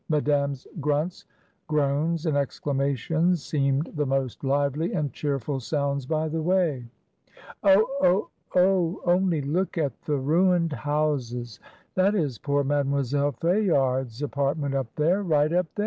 Madame's grunts, groans, and exclamations seemed the most lively and cheerful sounds by the way. "Oh! Ohl Oh! Only look at the ruined houses! That is poor Mademoiselle Fayard's apartment up there, right up there," ST.